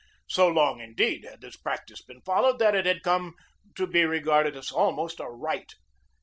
So long, indeed, had this practice been followed that it had come to be re garded as almost a right.